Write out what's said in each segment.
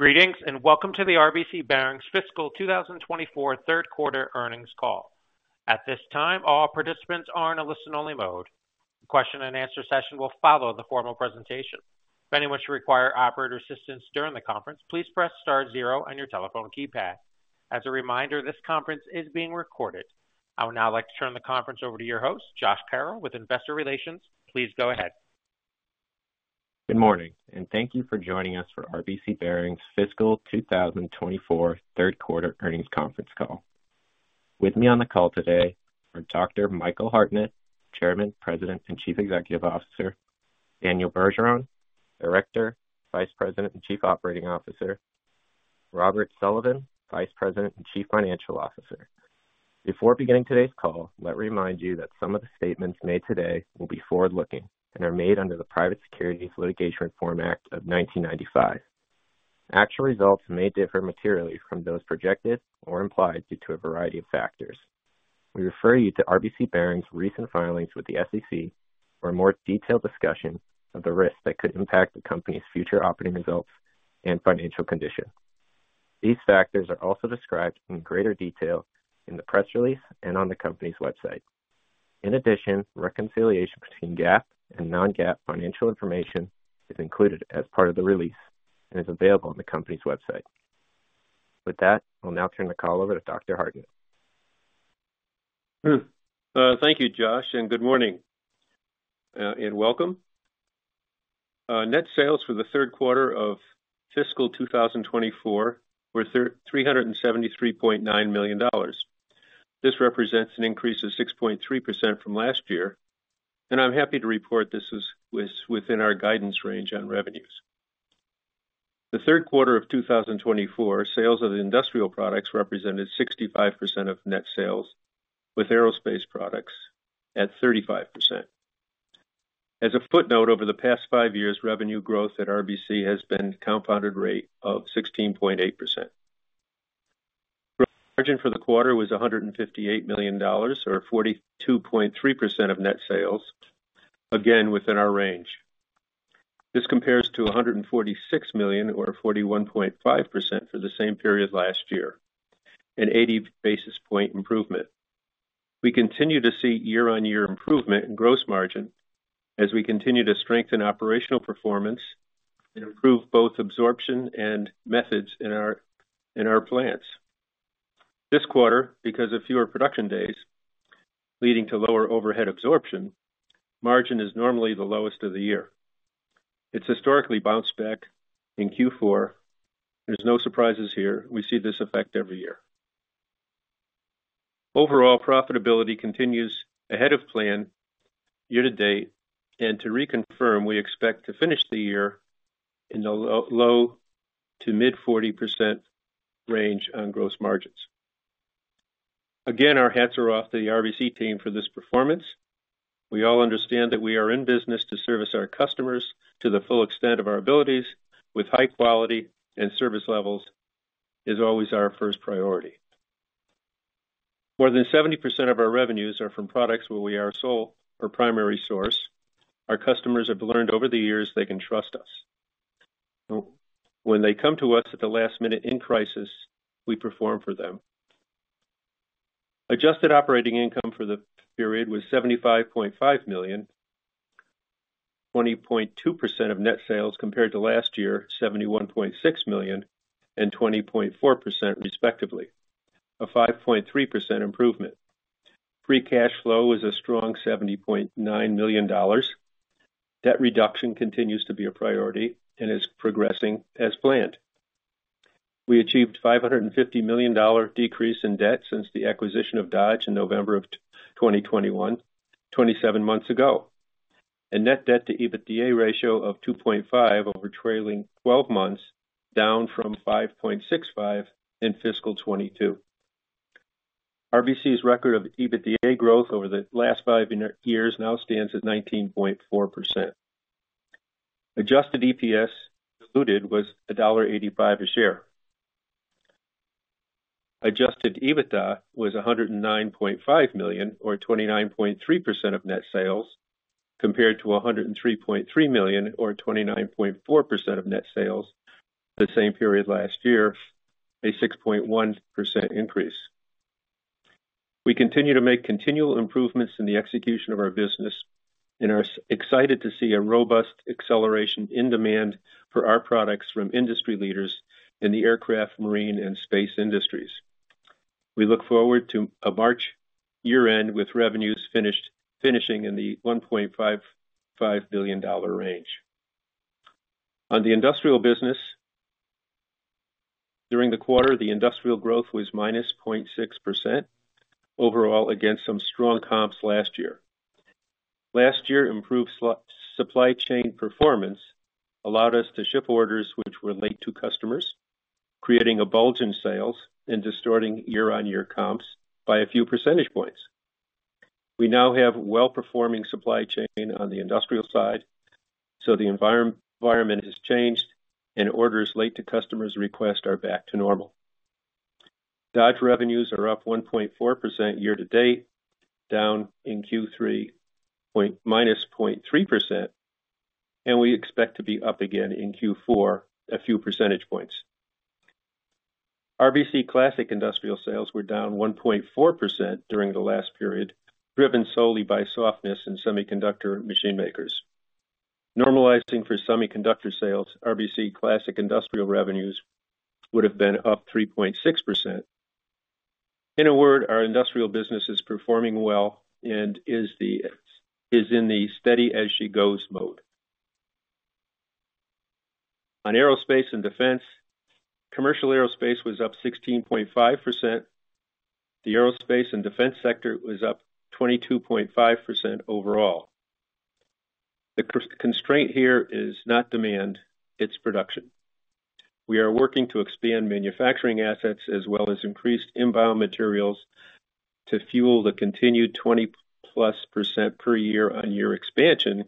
Greetings, and welcome to the RBC Bearings' Fiscal 2024 third quarter earnings call. At this time, all participants are in a listen-only mode. The question-and-answer session will follow the formal presentation. If anyone should require operator assistance during the conference, please press star zero on your telephone keypad. As a reminder, this conference is being recorded. I would now like to turn the conference over to your host, Josh Carroll, with Investor Relations. Please go ahead. Good morning, and thank you for joining us for RBC Bearings' Fiscal 2024 third quarter earnings conference call. With me on the call today are Dr. Michael Hartnett, Chairman, President, and Chief Executive Officer; Daniel Bergeron, Director, Vice President, and Chief Operating Officer; Robert Sullivan, Vice President and Chief Financial Officer. Before beginning today's call, let me remind you that some of the statements made today will be forward-looking and are made under the Private Securities Litigation Reform Act of 1995. Actual results may differ materially from those projected or implied due to a variety of factors. We refer you to RBC Bearings' recent filings with the SEC for a more detailed discussion of the risks that could impact the company's future operating results and financial condition. These factors are also described in greater detail in the press release and on the company's website. In addition, reconciliation between GAAP and non-GAAP financial information is included as part of the release and is available on the company's website. With that, I'll now turn the call over to Dr. Hartnett. Thank you, Josh, and good morning, and welcome. Net sales for the third quarter of fiscal 2024 were $373.9 million. This represents an increase of 6.3% from last year, and I'm happy to report this is within our guidance range on revenues. The third quarter of 2024, sales of industrial products represented 65% of net sales, with aerospace products at 35%. As a footnote, over the past five years, revenue growth at RBC has been a compounded rate of 16.8%. Margin for the quarter was $158 million or 42.3% of net sales, again, within our range. This compares to $146 million or 41.5% for the same period last year, an 80 basis point improvement. We continue to see year-on-year improvement in gross margin as we continue to strengthen operational performance and improve both absorption and methods in our plants. This quarter, because of fewer production days, leading to lower overhead absorption, margin is normally the lowest of the year. It's historically bounced back in Q4. There's no surprises here. We see this effect every year. Overall, profitability continues ahead of plan year-to-date, and to reconfirm, we expect to finish the year in the low- to mid-40% range on gross margins. Again, our hats are off to the RBC team for this performance. We all understand that we are in business to service our customers to the full extent of our abilities, with high quality and service levels is always our first priority. More than 70% of our revenues are from products where we are sole or primary source. Our customers have learned over the years they can trust us. When they come to us at the last minute in crisis, we perform for them. Adjusted operating income for the period was $75.5 million, 20.2% of net sales, compared to last year, $71.6 million and 20.4%, respectively, a 5.3% improvement. Free cash flow is a strong $70.9 million. Debt reduction continues to be a priority and is progressing as planned. We achieved $550 million decrease in debt since the acquisition of Dodge in November 2021, 27 months ago, a net debt to EBITDA ratio of 2.5 over trailing 12 months, down from 5.65 in fiscal 2022. RBC's record of EBITDA growth over the last five years now stands at 19.4%. Adjusted EPS diluted was $1.85 a share. Adjusted EBITDA was $109.5 million or 29.3% of net sales, compared to $103.3 million or 29.4% of net sales the same period last year, a 6.1% increase. We continue to make continual improvements in the execution of our business and are excited to see a robust acceleration in demand for our products from industry leaders in the aircraft, marine, and space industries. We look forward to a March year-end with revenues finishing in the $1.55 billion range. On the industrial business, during the quarter, the industrial growth was -0.6% overall against some strong comps last year. Last year, improved supply chain performance allowed us to ship orders which were late to customers, creating a bulge in sales and distorting year-on-year comps by a few percentage points. We now have well-performing supply chain on the industrial side, so the environment has changed and orders late to customers' request are back to normal. Dodge revenues are up 1.4% year to date, down in Q3 -0.3%, and we expect to be up again in Q4 a few percentage points. RBC Classic Industrial sales were down 1.4% during the last period, driven solely by softness in semiconductor machine makers. Normalizing for semiconductor sales, RBC Classic Industrial revenues would have been up 3.6%. In a word, our industrial business is performing well and is in the steady-as-she-goes mode. On aerospace and defense, commercial aerospace was up 16.5%. The aerospace and defense sector was up 22.5% overall. The constraint here is not demand, it's production. We are working to expand manufacturing assets as well as increase inbound materials to fuel the continued 20+% year-over-year expansion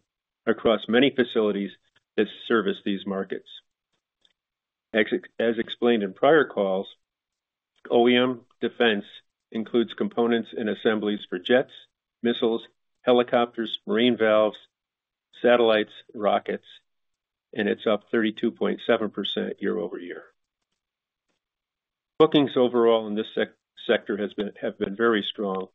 across many facilities that service these markets. As, as explained in prior calls, OEM defense includes components and assemblies for jets, missiles, helicopters, marine valves, satellites, rockets, and it's up 32.7% year-over-year. Bookings overall in this sector have been very strong.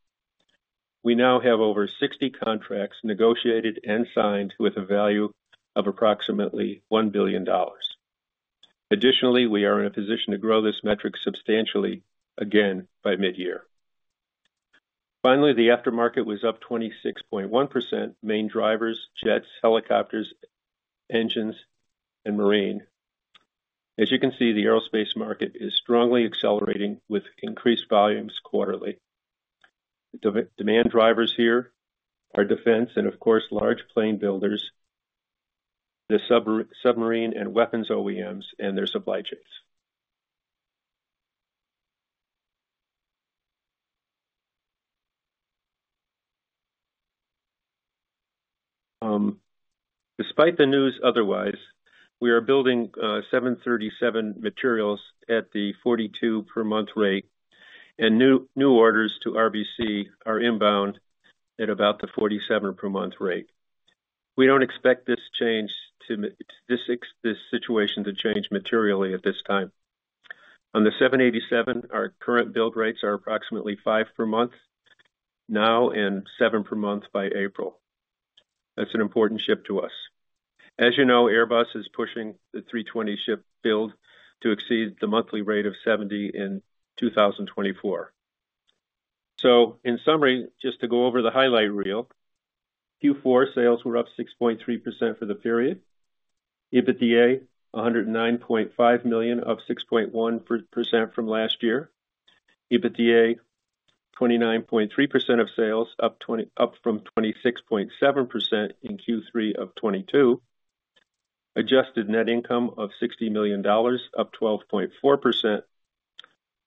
We now have over 60 contracts negotiated and signed with a value of approximately $1 billion. Additionally, we are in a position to grow this metric substantially again by midyear. Finally, the aftermarket was up 26.1%. Main drivers: jets, helicopters, engines, and marine. As you can see, the aerospace market is strongly accelerating with increased volumes quarterly. The demand drivers here are defense and of course, large plane builders, the submarine and weapons OEMs and their supply chains. Despite the news otherwise, we are building 737 materials at the 42 per month rate, and new orders to RBC are inbound at about the 47 per month rate. We don't expect this change to this situation to change materially at this time. On the 787, our current build rates are approximately five per month now and seven per month by April. That's an important ship to us. As you know, Airbus is pushing the A320 ship build to exceed the monthly rate of 70 in 2024. So in summary, just to go over the highlight reel. Q4 sales were up 6.3% for the period. EBITDA, $109.5 million, up 6.1% from last year. EBITDA, 29.3% of sales, up from 26.7% in Q3 of 2022. Adjusted net income of $60 million, up 12.4%.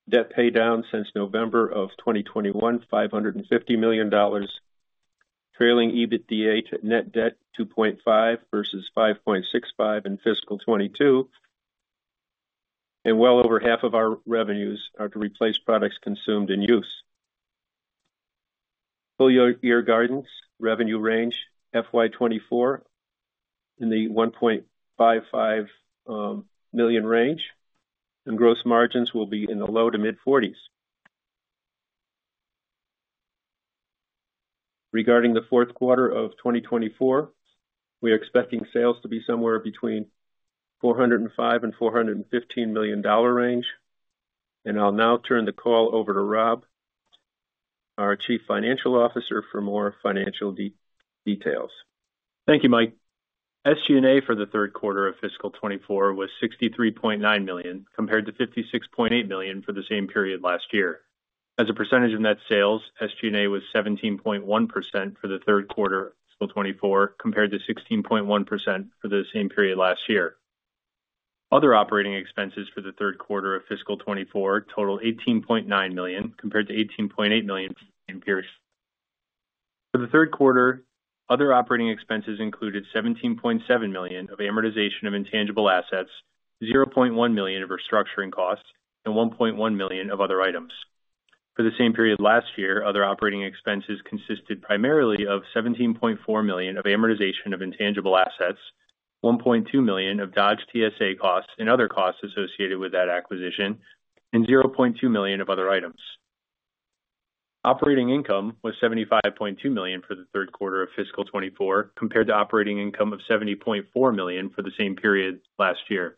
Debt paydown since November of 2021, $550 million. Trailing EBITDA to net debt, 2.5 versus 5.65 in fiscal 2022. And well over half of our revenues are to replace products consumed in use. Full year guidance, revenue range FY 2024 in the $1.55 million range, and gross margins will be in the low-to-mid 40s. Regarding the fourth quarter of 2024, we are expecting sales to be somewhere between $405 million and $415 million range. I'll now turn the call over to Rob, our Chief Financial Officer, for more financial details. Thank you, Mike. SG&A for the third quarter of fiscal 2024 was $63.9 million, compared to $56.8 million for the same period last year. As a percentage of net sales, SG&A was 17.1% for the third quarter of fiscal 2024, compared to 16.1% for the same period last year. Other operating expenses for the third quarter of fiscal 2024 totaled $18.9 million, compared to $18.8 million in peers. For the third quarter, other operating expenses included $17.7 million of amortization of intangible assets, $0.1 million of restructuring costs, and $1.1 million of other items. For the same period last year, other operating expenses consisted primarily of $17.4 million of amortization of intangible assets, $1.2 million of Dodge TSA costs and other costs associated with that acquisition, and $0.2 million of other items. Operating income was $75.2 million for the third quarter of fiscal 2024, compared to operating income of $70.4 million for the same period last year.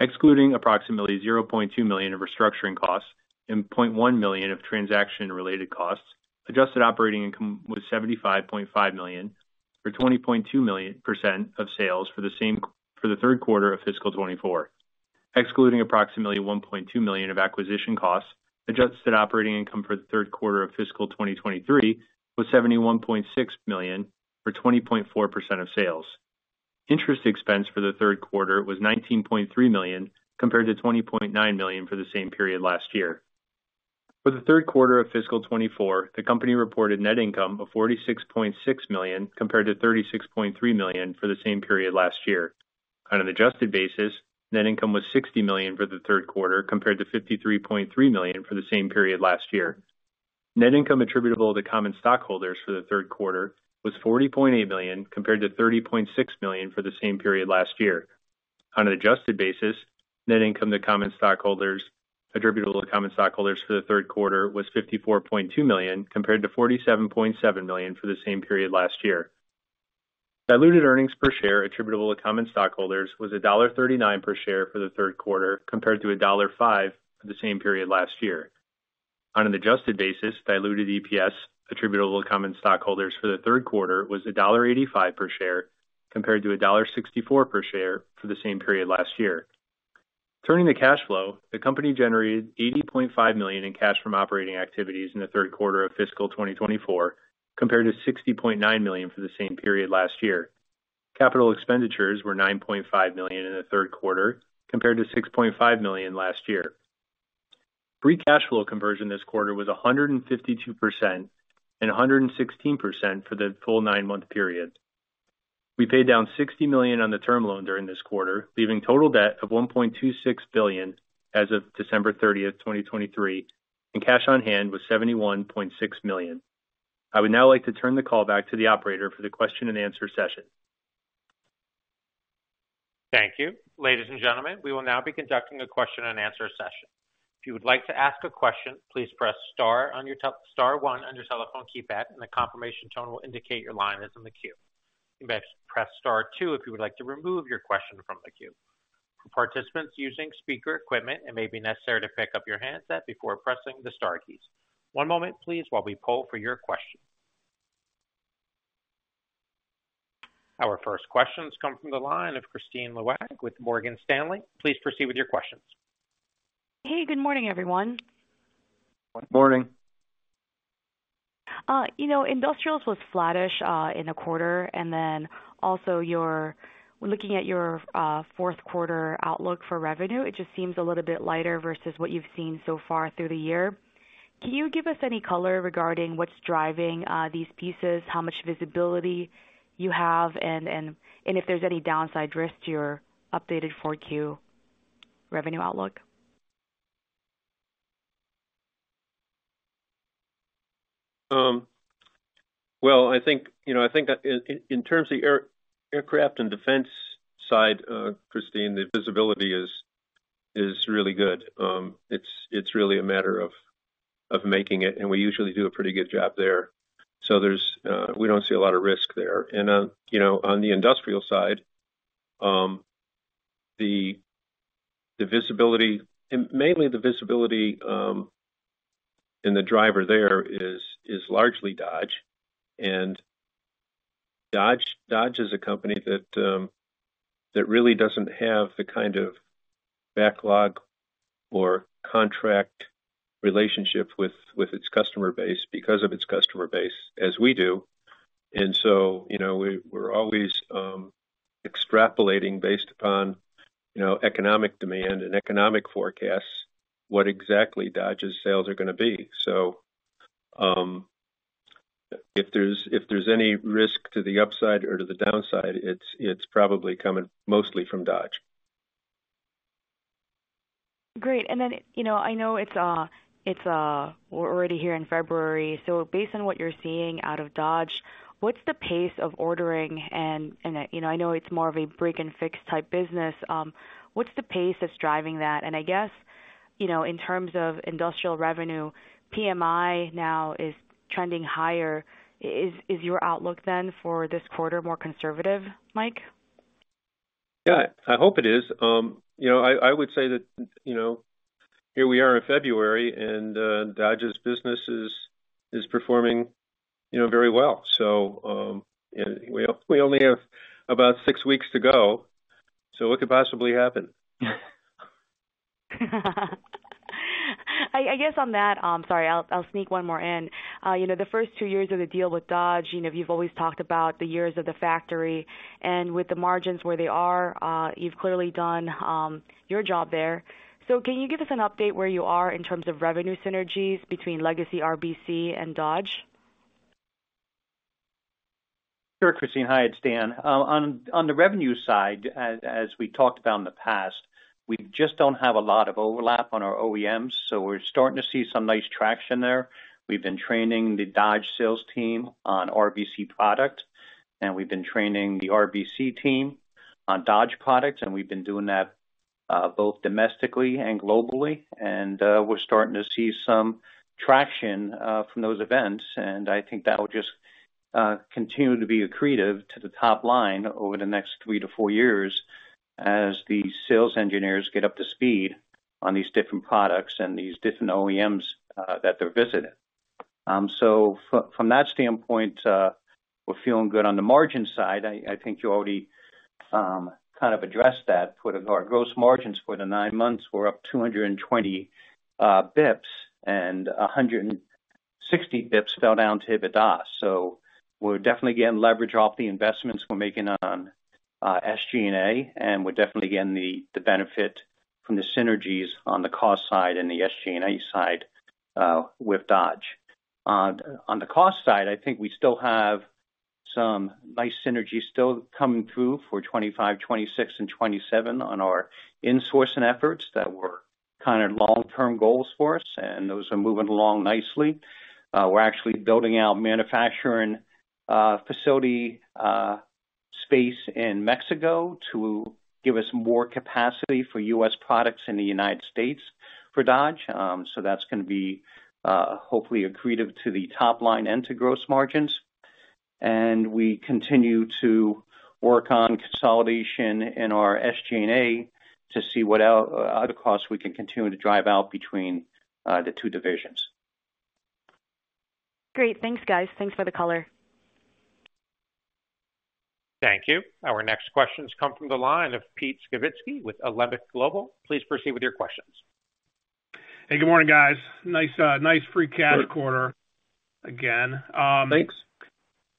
Excluding approximately $0.2 million of restructuring costs and $0.1 million of transaction-related costs, adjusted operating income was $75.5 million, or 20.2% of sales for the third quarter of fiscal 2024. Excluding approximately $1.2 million of acquisition costs, adjusted operating income for the third quarter of fiscal 2023 was $71.6 million, or 20.4% of sales. Interest expense for the third quarter was $19.3 million, compared to $20.9 million for the same period last year. For the third quarter of fiscal 2024, the company reported net income of $46.6 million, compared to $36.3 million for the same period last year. On an adjusted basis, net income was $60 million for the third quarter, compared to $53.3 million for the same period last year. Net income attributable to common stockholders for the third quarter was $40.8 million, compared to $30.6 million for the same period last year. On an adjusted basis, net income attributable to common stockholders for the third quarter was $54.2 million, compared to $47.7 million for the same period last year. Diluted earnings per share attributable to common stockholders was $1.39 per share for the third quarter, compared to $1.05 for the same period last year. On an adjusted basis, diluted EPS attributable to common stockholders for the third quarter was $1.85 per share, compared to $1.64 per share for the same period last year. Turning to cash flow, the company generated $80.5 million in cash from operating activities in the third quarter of fiscal 2024, compared to $60.9 million for the same period last year. Capital expenditures were $9.5 million in the third quarter, compared to $6.5 million last year. Free cash flow conversion this quarter was 152% and 116% for the full nine-month period. We paid down $60 million on the term loan during this quarter, leaving total debt of $1.26 billion as of December 30th, 2023, and cash on hand was $71.6 million. I would now like to turn the call back to the operator for the question-and-answer session. Thank you. Ladies and gentlemen, we will now be conducting a question-and-answer session. If you would like to ask a question, please press star one on your telephone keypad, and a confirmation tone will indicate your line is in the queue. You may press star two if you would like to remove your question from the queue. For participants using speaker equipment, it may be necessary to pick up your handset before pressing the star keys. One moment, please, while we poll for your question. Our first questions come from the line of Kristine Liwag with Morgan Stanley. Please proceed with your questions. Hey, good morning, everyone. Good morning. You know, industrials was flattish in the quarter, and then also looking at your fourth quarter outlook for revenue, it just seems a little bit lighter versus what you've seen so far through the year. Can you give us any color regarding what's driving these pieces, how much visibility you have, and if there's any downside risk to your updated Q4 revenue outlook? Well, I think, you know, I think that in, in terms of aircraft and defense side, Kristine, the visibility is, is really good. It's really a matter of making it, and we usually do a pretty good job there. So there's. We don't see a lot of risk there. And, you know, on the industrial side, the visibility, and mainly the visibility, and the driver there is largely Dodge. And Dodge, Dodge is a company that that really doesn't have the kind of backlog or contract relationship with its customer base because of its customer base, as we do. And so, you know, we're always extrapolating based upon, you know, economic demand and economic forecasts, what exactly Dodge's sales are gonna be. So, if there's any risk to the upside or to the downside, it's probably coming mostly from Dodge. Great. And then, you know, I know it's, we're already here in February, so based on what you're seeing out of Dodge, what's the pace of ordering? And, you know, I know it's more of a break-and-fix type business. What's the pace that's driving that? And I guess, you know, in terms of industrial revenue, PMI now is trending higher. Is your outlook then for this quarter, more conservative, Mike? Yeah, I hope it is. You know, I would say that, you know, here we are in February, and Dodge's business is performing, you know, very well. So, and we only have about six weeks to go, so what could possibly happen? I guess on that, sorry, I'll sneak one more in. You know, the first two years of the deal with Dodge, you know, you've always talked about the years of the factory, and with the margins where they are, you've clearly done your job there. So can you give us an update where you are in terms of revenue synergies between Legacy RBC and Dodge? Sure, Kristine. Hi, it's Dan. On the revenue side, as we talked about in the past, we just don't have a lot of overlap on our OEMs, so we're starting to see some nice traction there. We've been training the Dodge sales team on RBC product, and we've been training the RBC team on Dodge products, and we've been doing that both domestically and globally. And we're starting to see some traction from those events, and I think that will just continue to be accretive to the top line over the next three to four years as the sales engineers get up to speed on these different products and these different OEMs that they're visiting. So from that standpoint, we're feeling good. On the margin side, I think you already kind of addressed that. But our gross margins for the nine months were up 220 basis points and 100 and-... 60 bps fell down to EBITDA. So we're definitely getting leverage off the investments we're making on SG&A, and we're definitely getting the benefit from the synergies on the cost side and the SG&A side with Dodge. On the cost side, I think we still have some nice synergy still coming through for 2025, 2026, and 2027 on our insourcing efforts that were kind of long-term goals for us, and those are moving along nicely. We're actually building out manufacturing facility space in Mexico to give us more capacity for U.S. products in the United States for Dodge. So that's gonna be hopefully accretive to the top line and to gross margins. And we continue to work on consolidation in our SG&A to see what other costs we can continue to drive out between the two divisions. Great. Thanks, guys. Thanks for the color. Thank you. Our next questions come from the line of Pete Skibitski with Alembic Global. Please proceed with your questions. Hey, good morning, guys. Nice, nice free cash quarter again. Thanks.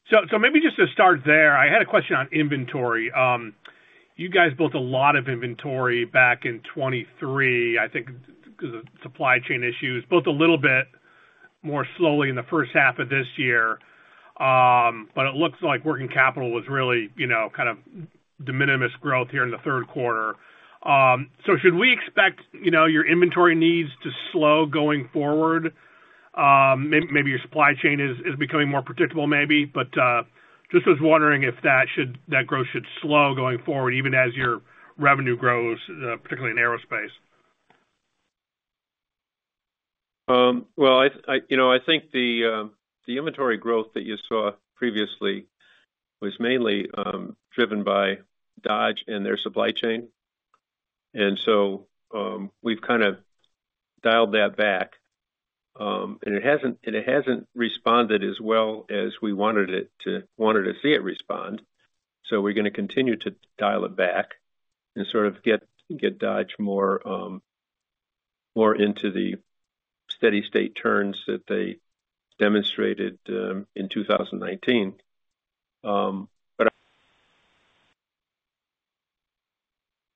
So maybe just to start there, I had a question on inventory. You guys built a lot of inventory back in 2023, I think, 'cause of supply chain issues, built a little bit more slowly in the first half of this year. But it looks like working capital was really, you know, kind of de minimis growth here in the third quarter. So should we expect, you know, your inventory needs to slow going forward? Maybe your supply chain is becoming more predictable, maybe, but just was wondering if that growth should slow going forward, even as your revenue grows, particularly in aerospace. Well, you know, I think the inventory growth that you saw previously was mainly driven by Dodge and their supply chain. And so, we've kind of dialed that back, and it hasn't responded as well as we wanted it to—wanted to see it respond. So we're gonna continue to dial it back and sort of get Dodge more into the steady-state turns that they demonstrated in 2019. But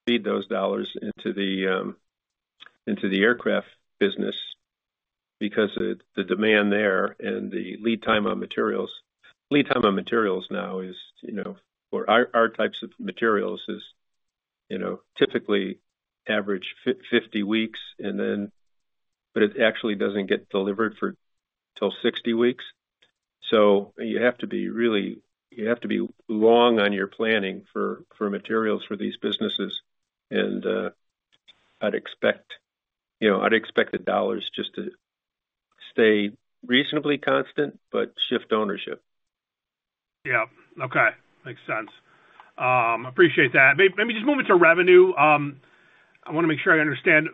feed those dollars into the aircraft business because of the demand there and the lead time on materials. Lead time on materials now is, you know, for our types of materials, you know, typically average 50 weeks, and then—but it actually doesn't get delivered until 60 weeks. So you have to be really... You have to be long on your planning for materials for these businesses. And I'd expect, you know, I'd expect the dollars just to stay reasonably constant, but shift ownership. Yeah. Okay. Makes sense. Appreciate that. Let me just move into revenue. I wanna make sure I understand.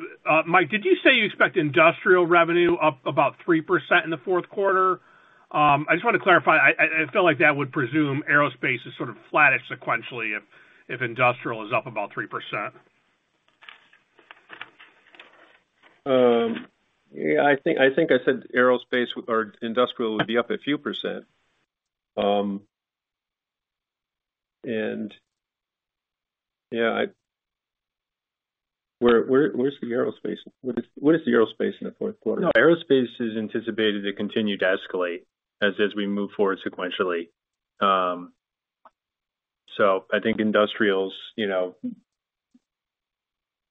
Mike, did you say you expect industrial revenue up about 3% in the fourth quarter? I just want to clarify. I feel like that would presume aerospace is sort of flattish sequentially, if industrial is up about 3%. Yeah, I think I said aerospace or industrial would be up a few percent. Yeah, where's the aerospace? What is the aerospace in the fourth quarter? No, aerospace is anticipated to continue to escalate as we move forward sequentially. So I think industrials, you know,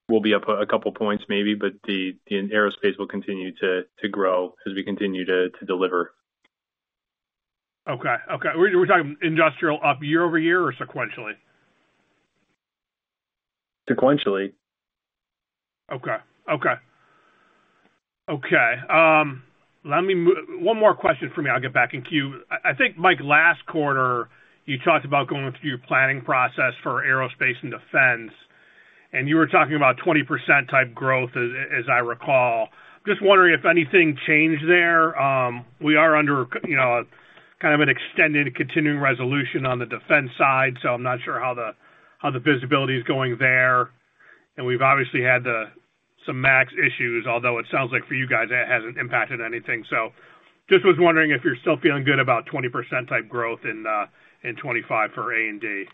will be up a couple points maybe, but aerospace will continue to grow as we continue to deliver. Okay. Okay. We're talking industrial up year-over-year or sequentially? Sequentially. Okay. Okay. Okay, let me one more question for me, I'll get back in queue. I think, Mike, last quarter, you talked about going through your planning process for aerospace and defense, and you were talking about 20% type growth, as I recall. Just wondering if anything changed there. We are under you know, kind of an extended Continuing Resolution on the defense side, so I'm not sure how the visibility is going there. And we've obviously had some max issues, although it sounds like for you guys, that hasn't impacted anything. So just was wondering if you're still feeling good about 20% type growth in 2025 for A&D.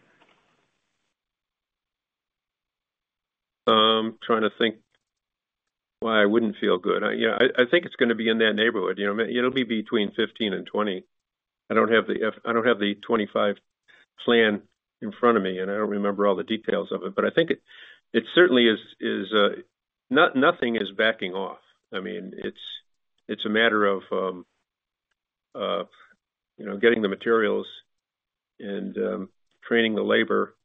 Trying to think why I wouldn't feel good. Yeah, I think it's gonna be in that neighborhood. You know, it'll be between 15 and 20. I don't have the 25 plan in front of me, and I don't remember all the details of it, but I think it certainly is, nothing is backing off. I mean, it's a matter of, you know, getting the materials and training the labor.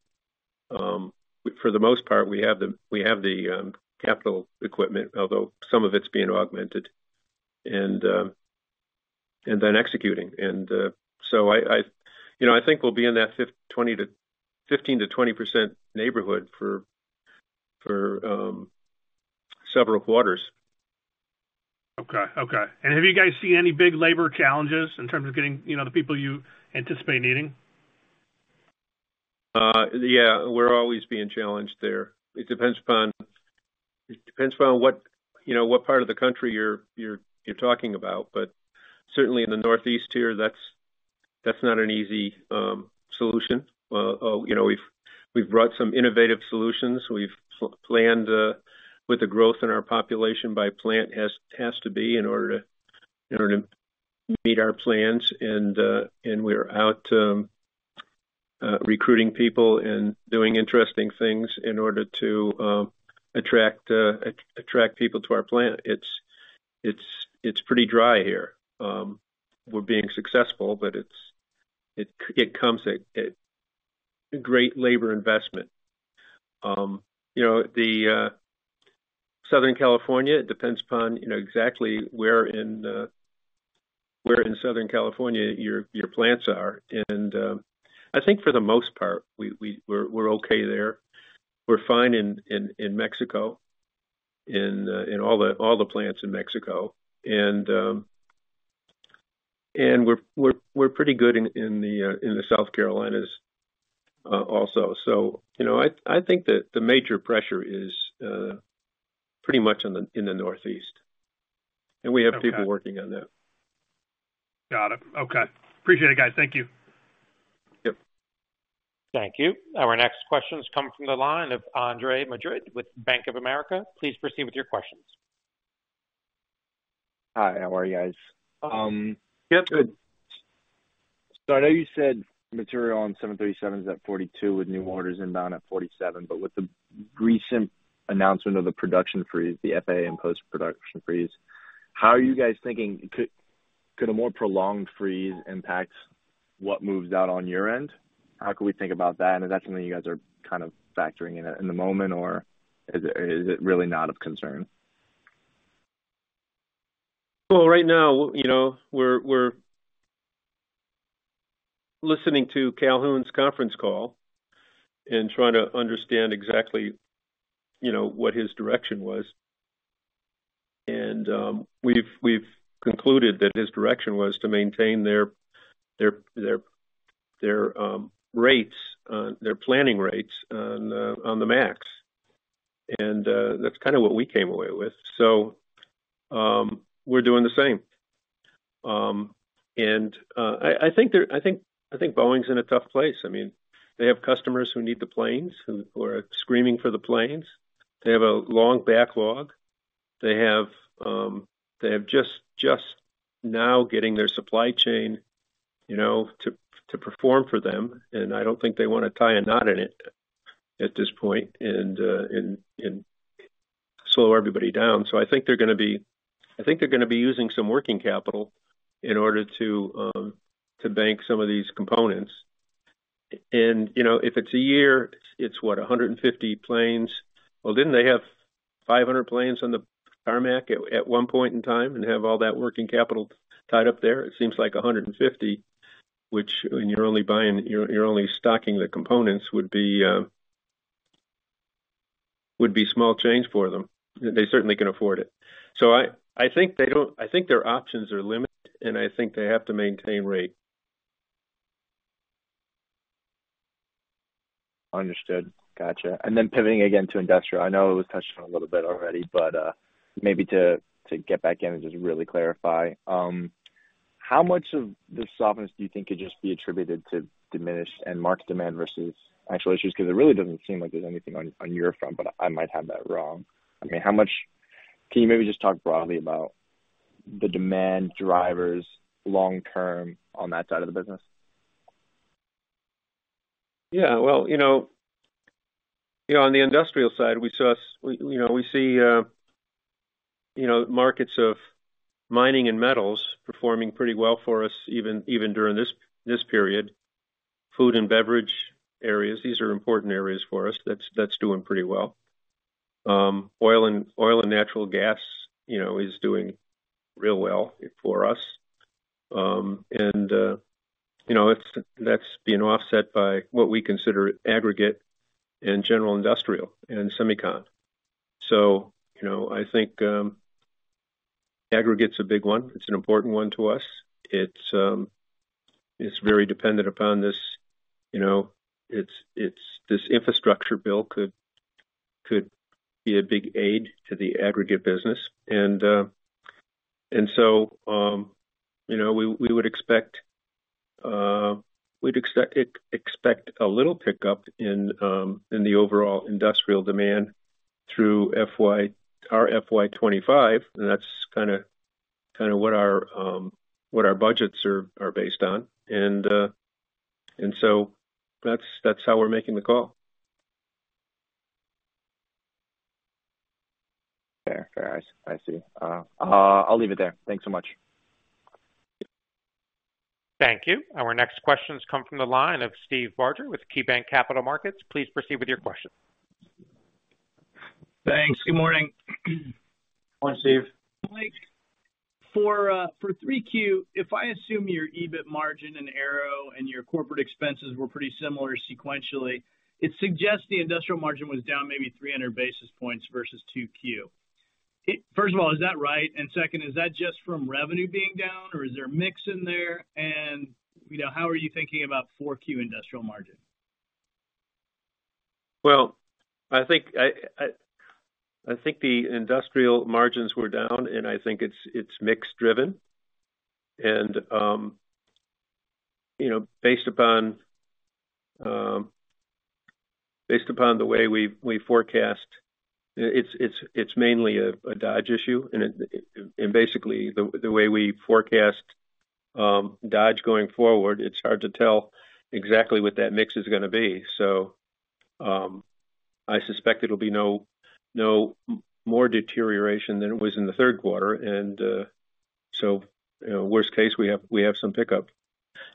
For the most part, we have the capital equipment, although some of it's being augmented, and then executing. So, you know, I think we'll be in that 15%-20% neighborhood for several quarters. Okay. Okay. And have you guys seen any big labor challenges in terms of getting, you know, the people you anticipate needing?... Yeah, we're always being challenged there. It depends upon what, you know, what part of the country you're talking about. But certainly in the Northeast here, that's not an easy solution. You know, we've brought some innovative solutions. We've planned with the growth in our population by plant has to be in order to meet our plans. And we're out recruiting people and doing interesting things in order to attract people to our plant. It's pretty dry here. We're being successful, but it comes at great labor investment. You know, the Southern California, it depends upon, you know, exactly where in Southern California your plants are. I think for the most part, we're okay there. We're fine in Mexico, in all the plants in Mexico. And we're pretty good in the South Carolina, also. So, you know, I think that the major pressure is pretty much in the Northeast, and we have people working on that. Got it. Okay. Appreciate it, guys. Thank you. Yep. Thank you. Our next question is coming from the line of Andre Madrid with Bank of America. Please proceed with your questions. Hi, how are you guys? Yeah, good. So I know you said material on 737s at 42, with new orders inbound at 47, but with the recent announcement of the production freeze, the FA and post-production freeze, how are you guys thinking... Could, could a more prolonged freeze impact what moves out on your end? How can we think about that? And is that something you guys are kind of factoring in at the moment, or is it, is it really not of concern? Well, right now, you know, we're listening to Calhoun's conference call and trying to understand exactly, you know, what his direction was. We've concluded that his direction was to maintain their rates, their planning rates on the MAX. That's kind of what we came away with. We're doing the same. I think Boeing's in a tough place. I mean, they have customers who need the planes and who are screaming for the planes. They have a long backlog. They have just now getting their supply chain, you know, to perform for them, and I don't think they want to tie a knot in it at this point and slow everybody down. I think they're gonna be... I think they're gonna be using some working capital in order to bank some of these components. And, you know, if it's a year, it's what? 150 planes. Well, didn't they have 500 planes on the tarmac at one point in time and have all that working capital tied up there? It seems like 150, which when you're only buying, you're only stocking the components, would be small change for them. They certainly can afford it. So I think they don't—I think their options are limited, and I think they have to maintain rate. Understood. Gotcha. And then pivoting again to industrial. I know it was touched on a little bit already, but maybe to get back in and just really clarify how much of this softness do you think could just be attributed to diminished end market demand versus actual issues? Because it really doesn't seem like there's anything on your front, but I might have that wrong. I mean, how much... Can you maybe just talk broadly about the demand drivers long term on that side of the business? Yeah, well, you know, on the industrial side, we see, you know, markets of mining and metals performing pretty well for us, even during this period. Food and beverage areas, these are important areas for us. That's doing pretty well. Oil and natural gas, you know, is doing real well for us. And, you know, that's being offset by what we consider aggregate and general industrial and semicon. So, you know, I think, aggregate's a big one. It's an important one to us. It's very dependent upon this, you know, it's this infrastructure bill could be a big aid to the aggregate business. So, you know, we would expect a little pickup in the overall industrial demand through our FY 2025, and that's kind of what our budgets are based on. So that's how we're making the call. Fair. Fair. I see. I'll leave it there. Thanks so much. Thank you. Our next question is coming from the line of Steve Barger with KeyBanc Capital Markets. Please proceed with your question. Thanks. Good morning. Morning, Steve. Mike, for 3Q, if I assume your EBIT margin and aero and your corporate expenses were pretty similar sequentially, it suggests the industrial margin was down maybe 300 basis points versus 2Q. ... First of all, is that right? And second, is that just from revenue being down, or is there a mix in there? And, you know, how are you thinking about 4Q industrial margin? Well, I think the industrial margins were down, and I think it's mix driven. And, you know, based upon the way we forecast, it's mainly a Dodge issue. And basically, the way we forecast Dodge going forward, it's hard to tell exactly what that mix is gonna be. So, I suspect it'll be no more deterioration than it was in the third quarter, and so, worst case, we have some pickup.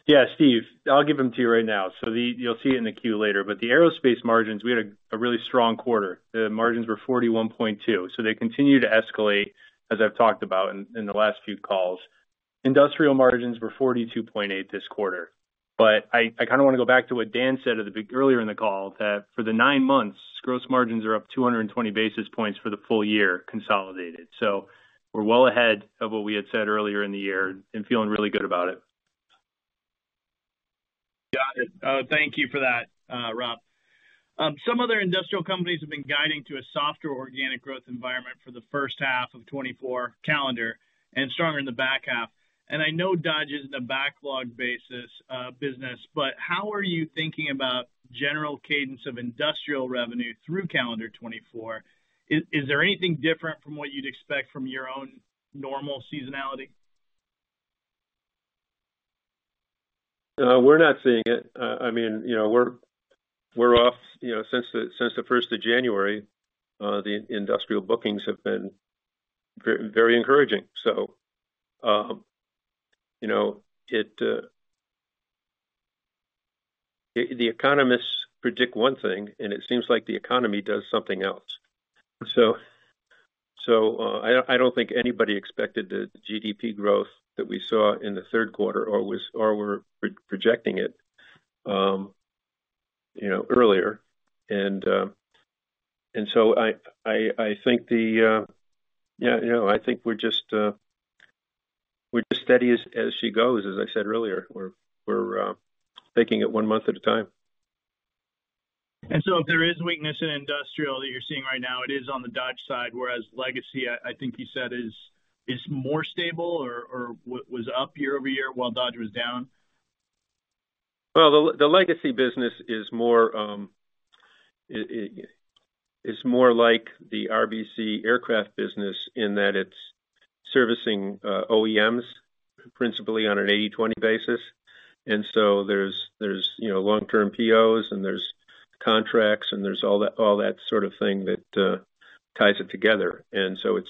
Yeah, Steve, I'll give them to you right now. So you'll see it in the queue later, but the aerospace margins, we had a really strong quarter. The margins were 41.2%, so they continue to escalate, as I've talked about in the last few calls. Industrial margins were 42.8% this quarter. But I kinda wanna go back to what Dan said earlier in the call, that for the nine months, gross margins are up 220 basis points for the full year, consolidated. So we're well ahead of what we had said earlier in the year and feeling really good about it. Got it. Thank you for that, Rob. Some other industrial companies have been guiding to a softer organic growth environment for the first half of 2024 calendar and stronger in the back half. And I know Dodge is a backlog basis business, but how are you thinking about general cadence of industrial revenue through calendar 2024? Is there anything different from what you'd expect from your own normal seasonality? We're not seeing it. I mean, you know, we're off. You know, since the first of January, the industrial bookings have been very, very encouraging. So, you know, the economists predict one thing, and it seems like the economy does something else. So, I think, yeah, you know, I think we're just steady as she goes, as I said earlier. We're taking it one month at a time. And so if there is weakness in industrial that you're seeing right now, it is on the Dodge side, whereas Legacy, I think you said, is more stable or was up year over year while Dodge was down? Well, the Legacy business is more, it is more like the RBC aircraft business in that it's servicing OEMs, principally on an 80/20 basis. And so there's, you know, long-term POs, and there's contracts, and there's all that, all that sort of thing that ties it together. And so it's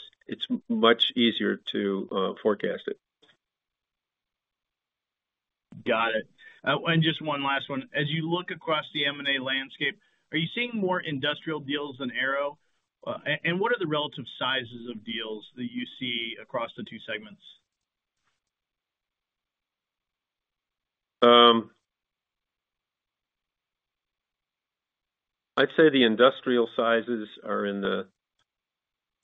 much easier to forecast it. Got it. And just one last one. As you look across the M&A landscape, are you seeing more industrial deals than aero? And what are the relative sizes of deals that you see across the two segments? I'd say the industrial sizes are in the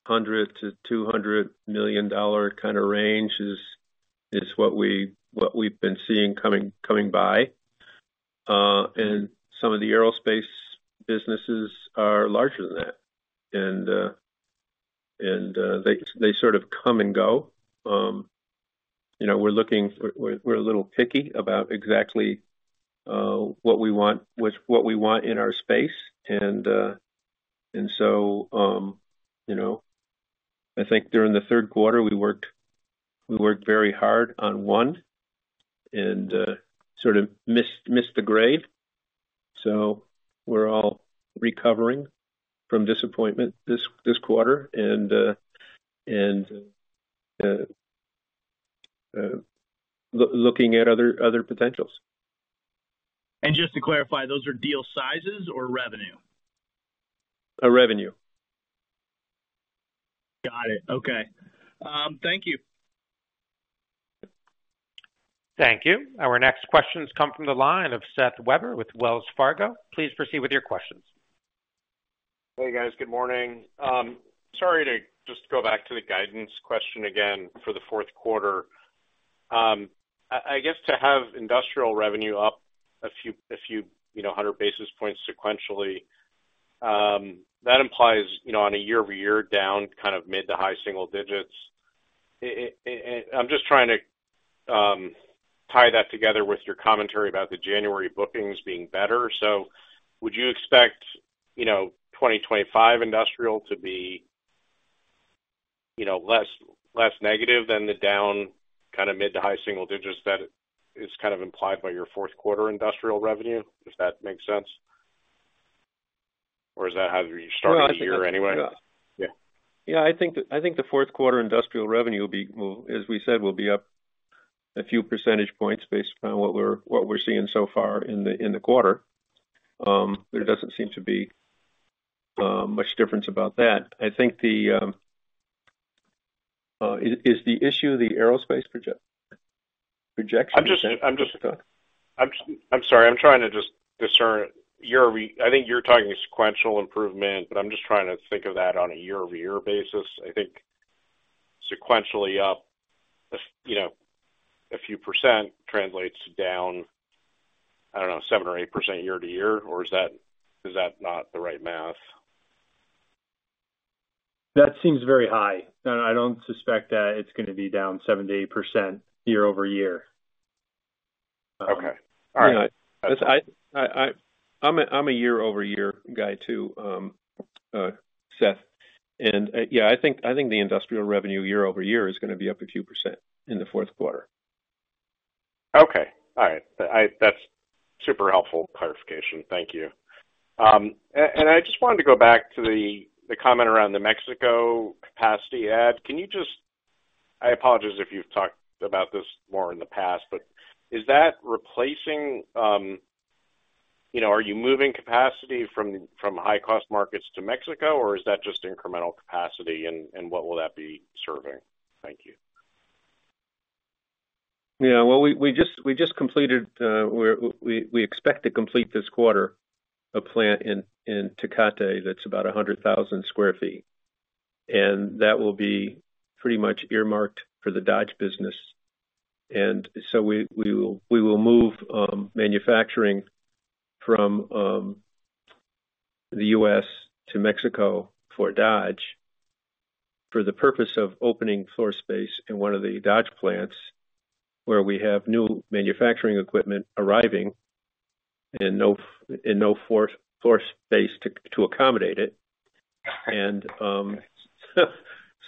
$100 million-$200 million kind of range, is what we've been seeing coming by. And some of the aerospace businesses are larger than that, and they sort of come and go. You know, we're a little picky about exactly what we want in our space. And so, you know, I think during the third quarter, we worked very hard on one and sort of missed the grave. So we're all recovering from disappointment this quarter and looking at other potentials. Just to clarify, those are deal sizes or revenue? Uh, revenue. Got it. Okay. Thank you. Thank you. Our next questions come from the line of Seth Weber with Wells Fargo. Please proceed with your questions. Hey, guys. Good morning. Sorry to just go back to the guidance question again for the fourth quarter. I guess to have industrial revenue up a few you know 100 basis points sequentially, that implies you know on a year-over-year down kind of mid to high single digits. I and I'm just trying to tie that together with your commentary about the January bookings being better. So would you expect you know 2025 industrial to be you know less negative than the down kind of mid to high single digits that is kind of implied by your fourth quarter industrial revenue? Does that make sense? Or is that how you're starting the year anyway? Yeah. Yeah, I think the fourth quarter industrial revenue will be... Well, as we said, will be up a few percentage points based on what we're seeing so far in the quarter. There doesn't seem to be much difference about that. I think the issue is the aerospace project?... I'm just sorry. I'm trying to just discern, you're re-- I think you're talking sequential improvement, but I'm just trying to think of that on a year-over-year basis. I think sequentially up, you know, a few percent translates to down, I don't know, 7% or 8% year-over-year. Or is that not the right math? That seems very high. I don't suspect that it's gonna be down 7%-8% year-over-year. Okay. All right. You know, I'm a year-over-year guy, too, Seth. And yeah, I think the industrial revenue year-over-year is gonna be up a few percent in the fourth quarter. Okay. All right. That's super helpful clarification. Thank you. And I just wanted to go back to the comment around the Mexico capacity add. Can you just... I apologize if you've talked about this more in the past, but is that replacing, you know, are you moving capacity from high-cost markets to Mexico, or is that just incremental capacity, and what will that be serving? Thank you. Yeah, well, we just completed. We expect to complete this quarter a plant in Tecate, that's about 100,000 sq ft. And that will be pretty much earmarked for the Dodge business. And so we will move manufacturing from the U.S. to Mexico for Dodge for the purpose of opening floor space in one of the Dodge plants, where we have new manufacturing equipment arriving and no floor space to accommodate it. And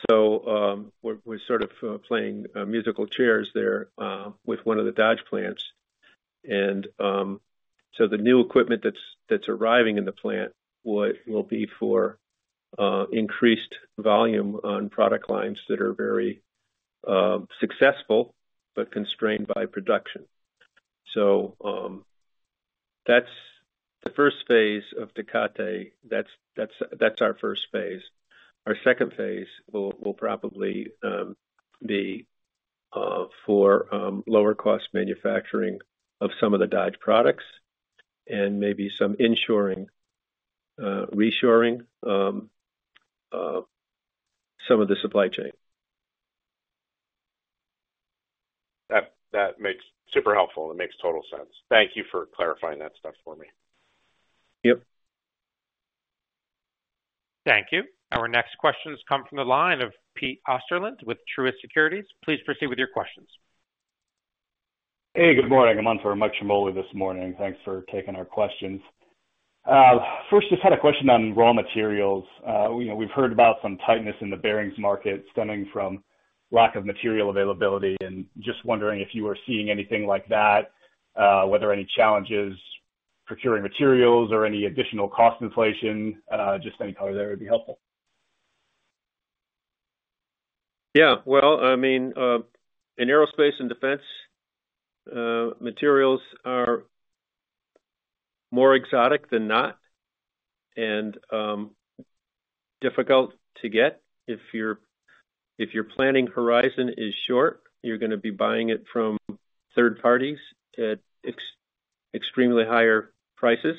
so we're sort of playing musical chairs there with one of the Dodge plants. And so the new equipment that's arriving in the plant will be for increased volume on product lines that are very successful, but constrained by production. So, that's the first phase of Tecate. That's our first phase. Our second phase will probably be for lower cost manufacturing of some of the Dodge products and maybe some ensuring reshoring some of the supply chain. That, that makes super helpful, and makes total sense. Thank you for clarifying that stuff for me. Yep. Thank you. Our next question comes from the line of Pete Osterland with Truist Securities. Please proceed with your questions. Hey, good morning, everyone. Much obliged this morning. Thanks for taking our questions. First, just had a question on raw materials. We know, we've heard about some tightness in the bearings market stemming from lack of material availability, and just wondering if you are seeing anything like that, whether any challenges procuring materials or any additional cost inflation. Just any color there would be helpful. Yeah, well, I mean, in aerospace and defense, materials are more exotic than not, and difficult to get. If your planning horizon is short, you're gonna be buying it from third parties at extremely higher prices.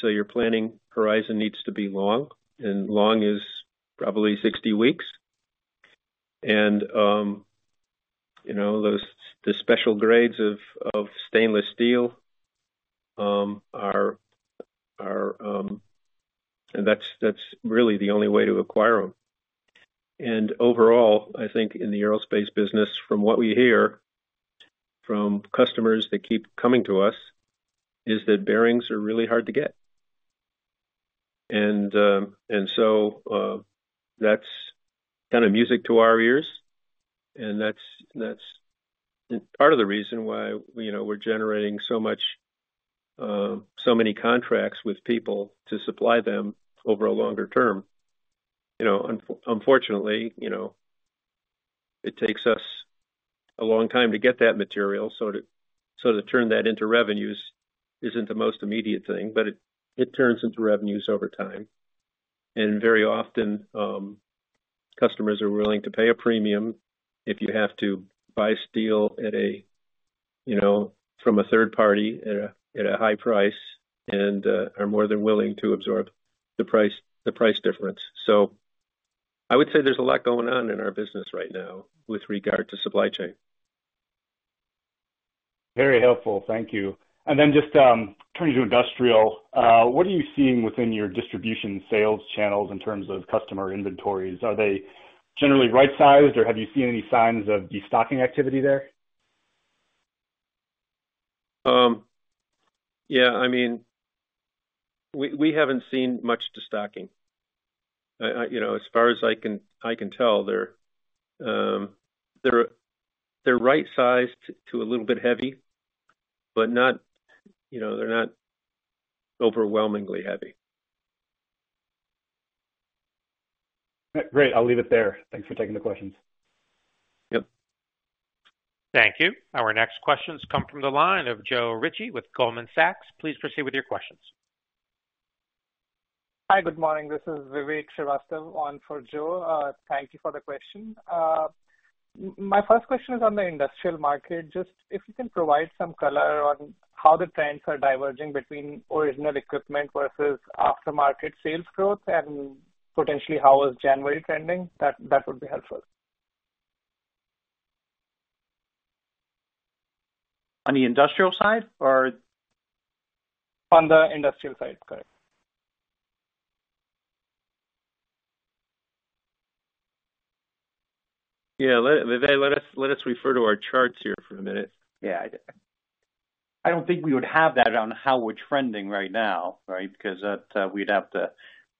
So your planning horizon needs to be long, and long is probably 60 weeks. And you know, those. The special grades of stainless steel are. And that's really the only way to acquire them. And overall, I think in the aerospace business, from what we hear from customers that keep coming to us, is that bearings are really hard to get. And so, that's kind of music to our ears. And that's part of the reason why, you know, we're generating so many contracts with people to supply them over a longer term. You know, unfortunately, you know, it takes us a long time to get that material, so to turn that into revenues isn't the most immediate thing, but it turns into revenues over time. And very often, customers are willing to pay a premium if you have to buy steel at a, you know, from a third party at a high price and are more than willing to absorb the price difference. So I would say there's a lot going on in our business right now with regard to supply chain. Very helpful. Thank you. And then just, turning to industrial, what are you seeing within your distribution sales channels in terms of customer inventories? Are they generally right-sized, or have you seen any signs of destocking activity there? Yeah, I mean, we haven't seen much destocking. You know, as far as I can tell, they're right-sized to a little bit heavy, but not, you know, they're not overwhelmingly heavy. Great. I'll leave it there. Thanks for taking the questions. Yep. Thank you. Our next questions come from the line of Joe Ritchie with Goldman Sachs. Please proceed with your questions. Hi, good morning. This is Vivek Srivastava on for Joe. Thank you for the question. My first question is on the industrial market. Just if you can provide some color on how the trends are diverging between original equipment versus aftermarket sales growth and potentially how is January trending, that, that would be helpful. On the industrial side or...? On the industrial side. Correct. Yeah. Vivek, let us refer to our charts here for a minute. Yeah. I don't think we would have that on how we're trending right now, right? Because that, we'd have to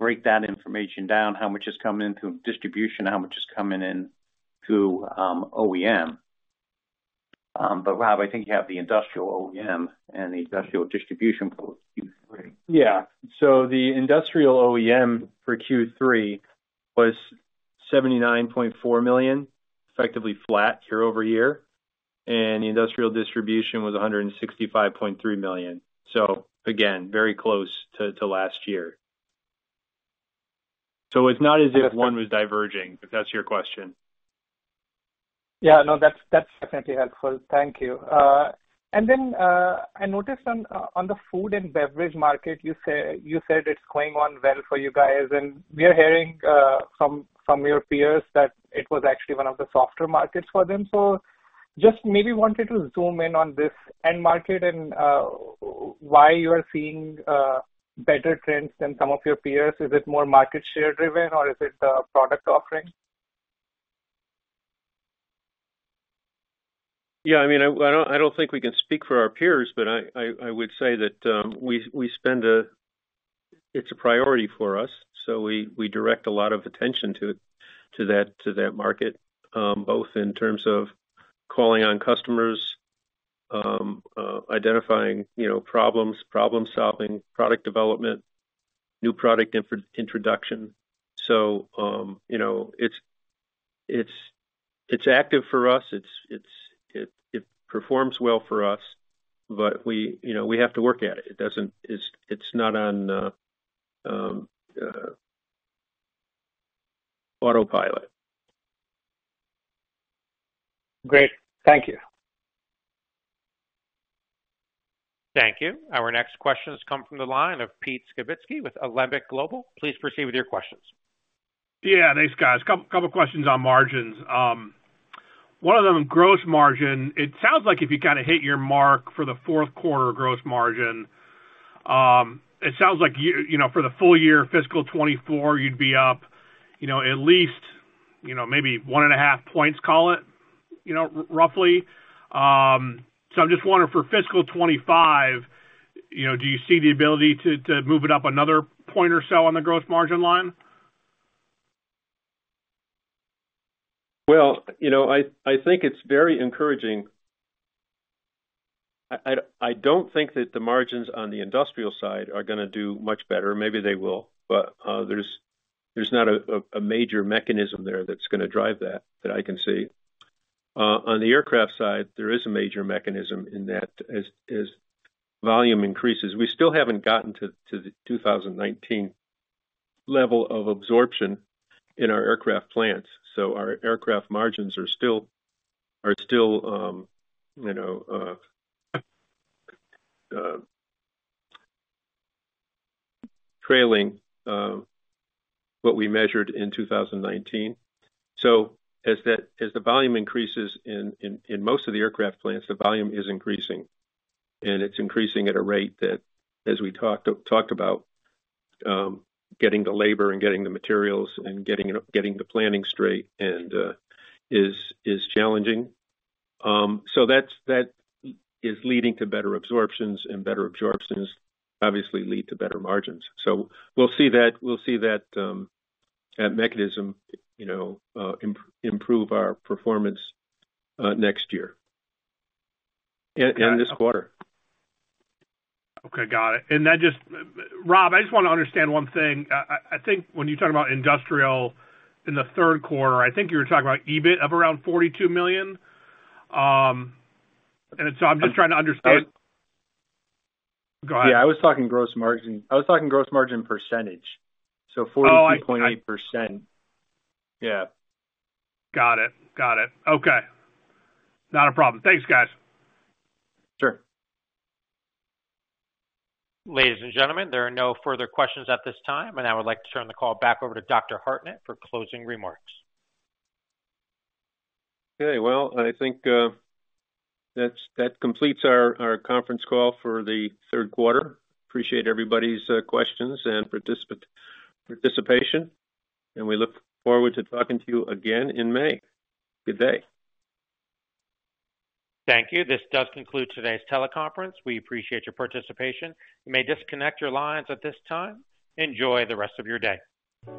break that information down, how much is coming in through distribution, how much is coming in through OEM. But, Rob, I think you have the industrial OEM and the industrial distribution for Q3. Yeah. So the industrial OEM for Q3 was $79.4 million, effectively flat year-over-year, and the industrial distribution was $165.3 million. So again, very close to last year. So it's not as if one was diverging, if that's your question. Yeah, no, that's, that's definitely helpful. Thank you. And then, I noticed on the food and beverage market, you say- you said it's going on well for you guys, and we are hearing from your peers that it was actually one of the softer markets for them. So just maybe wanted to zoom in on this end market and why you are seeing better trends than some of your peers. Is it more market share driven, or is it product offering? Yeah, I mean, I don't think we can speak for our peers, but I would say that we spend a... It's a priority for us, so we direct a lot of attention to that market, both in terms of calling on customers, identifying, you know, problems, problem-solving, product development, new product introduction. So, you know, it's active for us, it performs well for us, but we have to work at it. It doesn't... It's not on the autopilot. Great. Thank you. Thank you. Our next question has come from the line of Pete Skibitski with Alembic Global. Please proceed with your questions. Yeah, thanks, guys. Couple questions on margins. One of them, gross margin. It sounds like if you kind of hit your mark for the fourth quarter gross margin, it sounds like you know, for the full year fiscal 2024, you'd be up, you know, at least, you know, maybe 1.5 points, call it, you know, roughly. So I'm just wondering for fiscal 2025, you know, do you see the ability to move it up another point or so on the gross margin line? Well, you know, I think it's very encouraging. I don't think that the margins on the industrial side are gonna do much better. Maybe they will, but there's not a major mechanism there that's gonna drive that I can see. On the aircraft side, there is a major mechanism in that as volume increases. We still haven't gotten to the 2019 level of absorption in our aircraft plants, so our aircraft margins are still trailing what we measured in 2019. So as the volume increases in most of the aircraft plants, the volume is increasing, and it's increasing at a rate that, as we talked about, getting the labor and getting the materials and getting the planning straight and is challenging. So that is leading to better absorptions, and better absorptions obviously lead to better margins. So we'll see that, that mechanism, you know, improve our performance, next year, and this quarter. Okay, got it. And that just... Rob, I just want to understand one thing. I think when you talk about industrial in the third quarter, I think you were talking about EBIT of around $42 million. And so I'm just trying to understand- I- Go ahead. Yeah, I was talking gross margin. I was talking gross margin percentage, so 42.8%. Oh, I- Yeah. Got it. Got it. Okay. Not a problem. Thanks, guys. Sure. Ladies and gentlemen, there are no further questions at this time, and I would like to turn the call back over to Dr. Hartnett for closing remarks. Okay, well, I think that completes our conference call for the third quarter. Appreciate everybody's questions and participation, and we look forward to talking to you again in May. Good day. Thank you. This does conclude today's teleconference. We appreciate your participation. You may disconnect your lines at this time. Enjoy the rest of your day.